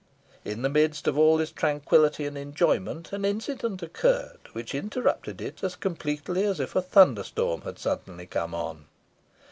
In the midst of all this tranquillity and enjoyment an incident occurred which interrupted it as completely as if a thunder storm had suddenly come on.